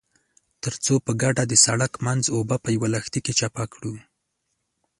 ترڅو په ګډه د سړک منځ اوبه په يوه لښتي کې چپه کړو.